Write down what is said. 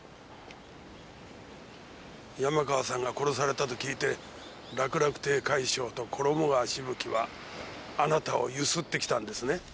山川さんが殺されたと聞いて楽々亭快笑と衣川しぶきはあなたをゆすってきたんですね？